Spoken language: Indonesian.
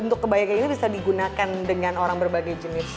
untuk kebaya kayak gini bisa digunakan dengan orang berbagai jenis